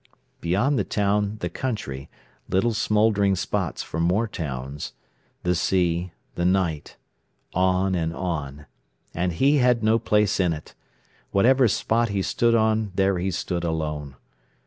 Beyond the town the country, little smouldering spots for more towns—the sea—the night—on and on! And he had no place in it! Whatever spot he stood on, there he stood alone.